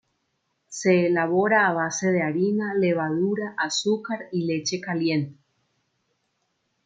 Se elabora a base de harina, levadura, azúcar y leche caliente.